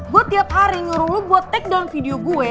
gue tiap hari ngurung lo buat take down video gue